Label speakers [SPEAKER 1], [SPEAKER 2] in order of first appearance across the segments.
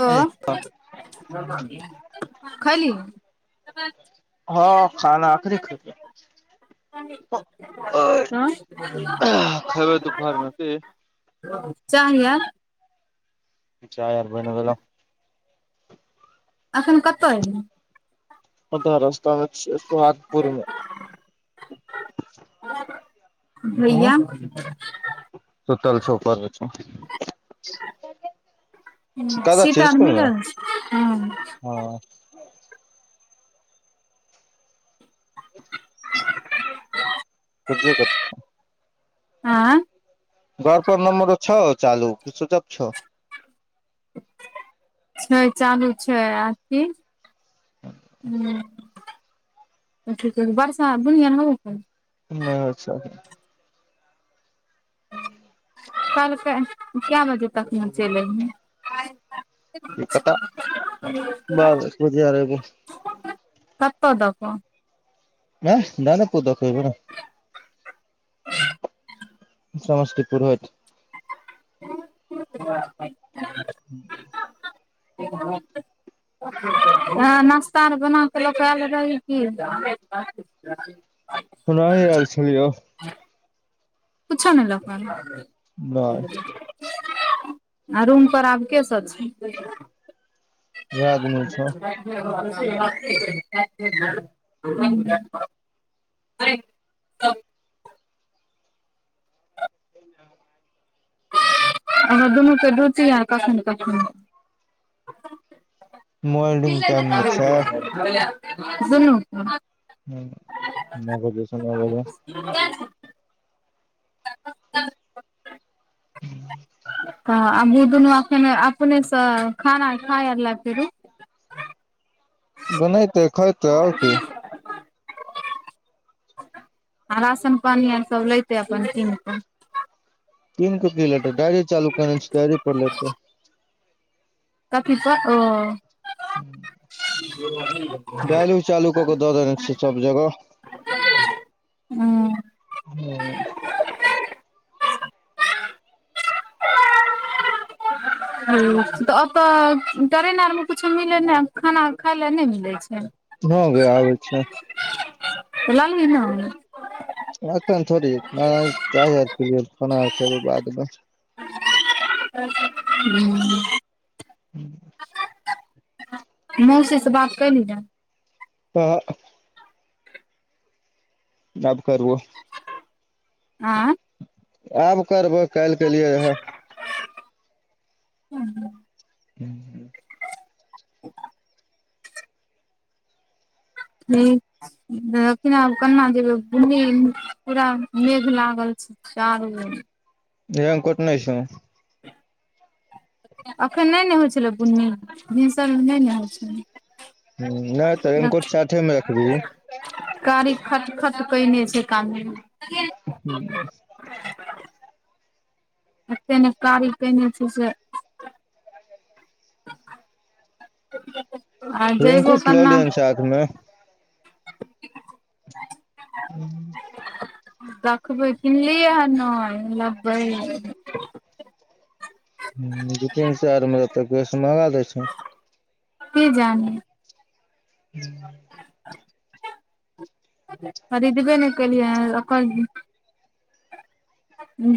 [SPEAKER 1] लो खैली
[SPEAKER 2] हँ खाना आखनी खय
[SPEAKER 1] हँ
[SPEAKER 2] खेबै दुपहर मे की
[SPEAKER 1] [unintelligible] चाह य
[SPEAKER 2] चा यार भहि न पहिल
[SPEAKER 1] एखन कतह एलखीन
[SPEAKER 2] ओ त रस्तामे सुहागपुरमे हँ
[SPEAKER 1] भैया
[SPEAKER 2] सुतल छौ उपर कतऽ
[SPEAKER 1] सीट
[SPEAKER 2] छै
[SPEAKER 1] आर
[SPEAKER 2] स्कूल हं
[SPEAKER 1] मिलल छै
[SPEAKER 2] [unintelligible] [unintelligible]
[SPEAKER 1] एंय
[SPEAKER 2] घर पर नंबर छह चालू कि सुचफ छ
[SPEAKER 1] छै चालू छै आथी [unintelligible]
[SPEAKER 2] नहि होइछा [unintelligible]
[SPEAKER 1] कलके क्या बजे तकमे चलि
[SPEAKER 2] की पता
[SPEAKER 1] एबहिं
[SPEAKER 2] बाद बुझे आर एबो
[SPEAKER 1] [unintelligible] कत्तऽ दऽ कऽ
[SPEAKER 2] हँ नाना पूत द क एबइ समस्तीपुर होयत
[SPEAKER 1] [unintelligible]
[SPEAKER 2] [inaudible]
[SPEAKER 1] ह [unintelligible] हँ नाश्ता अर बना कऽ लोक आयल रही की
[SPEAKER 2] औनहि आयल छलियौ
[SPEAKER 1] कुछो नइ लऽ क
[SPEAKER 2] नहि
[SPEAKER 1] एलय आ रूम पर आब के सभ छै
[SPEAKER 2] भगन छै
[SPEAKER 1] [unintelligible] आहा दुनू के रुचि आ कखनो कखनो
[SPEAKER 2] मोल्डिंग टाइम मे छै
[SPEAKER 1] [unintelligible] सुनु
[SPEAKER 2] हं नो बजे न नो बैजे
[SPEAKER 1] [unintelligible] तऽ आब ओ दुनू अखन अपने से खाना खाय आर लागतइ फेरु [unintelligible]
[SPEAKER 2] बनाते खायते आओर की
[SPEAKER 1] [unintelligible] हं राशन पानि आर सभ लयतै अपन किन कऽ
[SPEAKER 2] किन' क की लेते डायरी चालू कर छै डायरी पर लेतै
[SPEAKER 1] कभीस ओ
[SPEAKER 2] हू
[SPEAKER 1] ओ [unintelligible]
[SPEAKER 2] गालू चालू कऽ के दऽ देने छियै सब जगह
[SPEAKER 1] ह
[SPEAKER 2] उं
[SPEAKER 1] [unintelligible] ह तऽ ओतऽ टरेन आरमे कुछो मिले ने खाना खााय ले नहि मिले छै तऽ
[SPEAKER 2] भ गै आबय छै
[SPEAKER 1] ल लिहिन हं
[SPEAKER 2] आखन थोरी बादमे
[SPEAKER 1] हू मौसी से बात कली ये
[SPEAKER 2] तऽ आब करबो
[SPEAKER 1] आँ
[SPEAKER 2] आब करबै काल्हि कलियए रहे
[SPEAKER 1] हू
[SPEAKER 2] [unintelligible]
[SPEAKER 1] [unintelligible] हू देखि न आब केना जेबई बुनी पूरा मेघ लागल चालू अय
[SPEAKER 2] रेन कोट नइ छो
[SPEAKER 1] अखन नइ न होइ छलै बुन्नी भिनसर मे नइ न होइ छलै
[SPEAKER 2] ह नइ तऽ रेनकोट साथे म रखबही
[SPEAKER 1] कारी खट खट कने छै कान
[SPEAKER 2] हु
[SPEAKER 1] एते न कारी केने छै से अ जैबो
[SPEAKER 2] रेनकोट लऽ
[SPEAKER 1] कन्ना
[SPEAKER 2] लिहन साथ मे
[SPEAKER 1] देखबै किनलिए हन नैय बै
[SPEAKER 2] हू दू तीन सै आर मे देते की ओसे महँगा दै छै
[SPEAKER 1] की जानी
[SPEAKER 2] [inaudible]
[SPEAKER 1] [unintelligible] खरीदबे न कलियै ओकर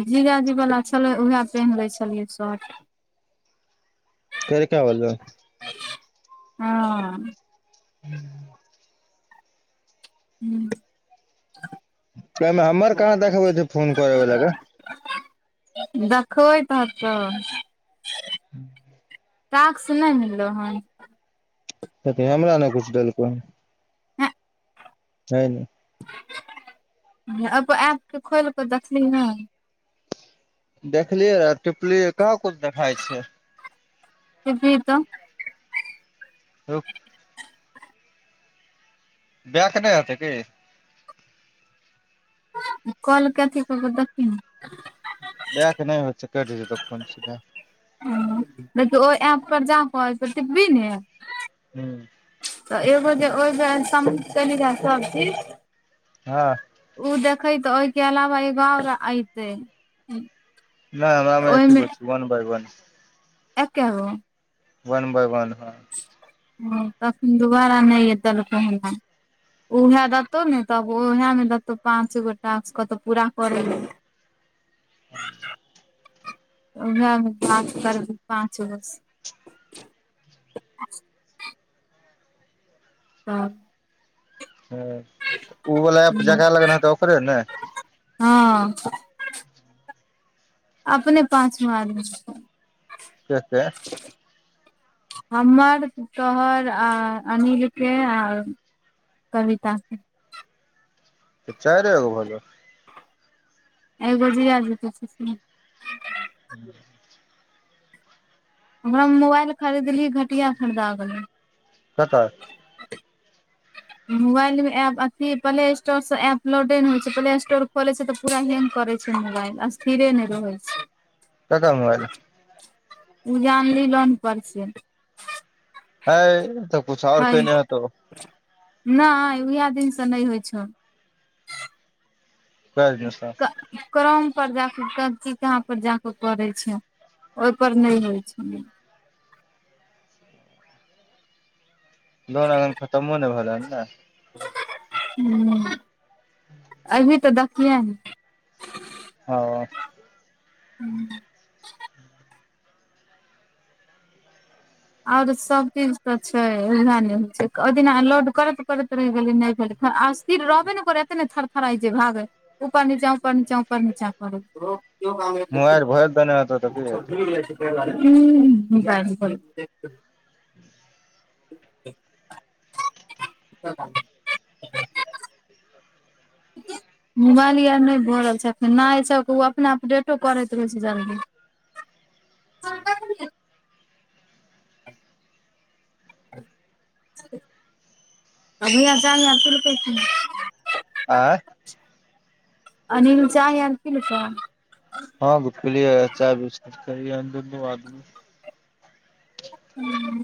[SPEAKER 1] जिजा जी वला छलै उएह पेहेन लै छलियै शर्ट
[SPEAKER 2] कैरका बला
[SPEAKER 1] हँ
[SPEAKER 2] हूँ
[SPEAKER 1] हूँ
[SPEAKER 2] एहिमे हमर कहाँ देखबै छै फोन करयवला गै
[SPEAKER 1] देखबै तऽ
[SPEAKER 2] [unintelligible]
[SPEAKER 1] टाक्स नहि मिललौ हन
[SPEAKER 2] कथि हमरा ने किछ देलको छै न
[SPEAKER 1] एपो ऐप कऽ खोलि कऽ देखली हन
[SPEAKER 2] देखलियै रहै टिपलियै कहाँ कुछ देखाइ छै
[SPEAKER 1] टीपही तऽ
[SPEAKER 2] रुक बैक नइ हेतै की
[SPEAKER 1] कल कऽ अथी कऽ कऽ देखही न
[SPEAKER 2] बैक नइ होय छैय कैट जतौ फौन सीधा
[SPEAKER 1] ह नइ तऽ ओय एप पर जा कऽ टीप बीही ने
[SPEAKER 2] हूँ
[SPEAKER 1] तऽ एगो जे ओहि बेर सम कैलही रहे सब चीज
[SPEAKER 2] हां
[SPEAKER 1] छैइ तऽ ओहिके अलवा एगो और एतै
[SPEAKER 2] नइ हमरा मे एके गो छै वन बइ वन
[SPEAKER 1] एके गो
[SPEAKER 2] वन बइ वन हँ
[SPEAKER 1] ह तखन दुबारा नहि ए देलकै उएह देतौ न तऽ उएहमे देतौ पाँच गो टास्क कतौ पूरा करय लए [unintelligible]
[SPEAKER 2] [unintelligible]
[SPEAKER 1] उएह मे बात करवीही पाँचगो से [unintelligible] हँ
[SPEAKER 2] उ वाला एप जकरा लग रहतै ओकरे ल
[SPEAKER 1] हँ अपने पाँच मार्ग छै
[SPEAKER 2] कते
[SPEAKER 1] हमर तोहर आ अनिल के आ कविता से
[SPEAKER 2] त चारे गो भलौ
[SPEAKER 1] एगो जीजा जी के छैय से
[SPEAKER 2] [unintelligible]
[SPEAKER 1] हमरा मोबाइल खरीदली घटिया खरीदा
[SPEAKER 2] ककर
[SPEAKER 1] मोबाइल मे एप अथी प्ले स्टोर से एप लोडे न होइ छै प्ले स्टोर खोले छै तऽ पूरा हेंग करै छै मोबाइल स्थिरे नहि रहै छै
[SPEAKER 2] ककर मोबाइल
[SPEAKER 1] ऊं जे आनली लोन परसे
[SPEAKER 2] हय तऽ कुछ आओर कअने हेतौ
[SPEAKER 1] नहि उएह दिनसँ नहि होय छौ
[SPEAKER 2] कैर ने साफ
[SPEAKER 1] क करम पर जाके सब चीज कहाँ पर जाके करैइ छैइ ओहि पर नै होय छै
[SPEAKER 2] दोन अगन खतम मोने भेलला ने
[SPEAKER 1] हूं अभी तऽ देखियौ न
[SPEAKER 2] हँ
[SPEAKER 1] हूं आउरो सब चीज तऽ छै इहे नहि होइ छै ओहि दिना लोड करैत करैत रहि गेलियै नहि भेलै असथिर रहबे नई करै ह एते ने थरथराई जे भागह हइ ऊपर नीचा ऊपर नीचा ऊपर नीचा करैय
[SPEAKER 2] मोबाइल भरि देने हेतौ तऽ की हेतै
[SPEAKER 1] [unintelligible] ह बल
[SPEAKER 2] [inaudible]
[SPEAKER 1] [unintelligible] [unintelligible] मोबाइल आर नहि भऽ रहल छै फेर नहि छै ओ अपना अपडेटो करैत रहै छै जल्दी सग [unintelligible] अभीसान चल पैस
[SPEAKER 2] आँय
[SPEAKER 1] अनील चाय आओर पीलकै
[SPEAKER 2] हँ पीलियै चाय बिस्कुट खेलियै दून आदमी
[SPEAKER 1] हूं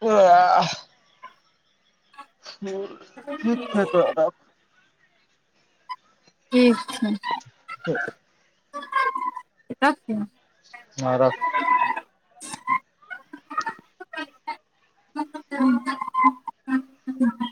[SPEAKER 2] आ हूं ठीक छै त राखू
[SPEAKER 1] ठीक छै राखू
[SPEAKER 2] हां राखु
[SPEAKER 1] [unintelligible] [unintelligible]